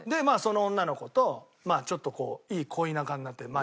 まあその女の子とちょっとこういい恋仲になって。